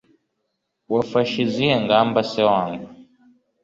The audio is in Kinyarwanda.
wafashe izihe ngamba se wangu